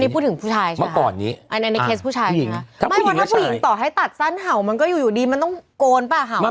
พูดถึงผู้ชายใช่ไหมเมื่อก่อนนี้อันนี้ในเคสผู้ชายสิคะไม่เพราะถ้าผู้หญิงต่อให้ตัดสั้นเห่ามันก็อยู่อยู่ดีมันต้องโกนป่ะเห่า